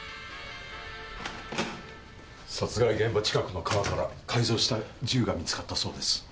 殺害現場近くの川から改造した銃が見つかったそうです。